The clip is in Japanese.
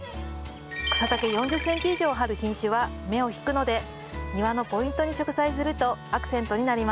草丈４０ｃｍ以上ある品種は目を引くので庭のポイントに植栽するとアクセントになります。